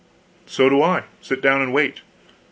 "So do I; sit down and wait."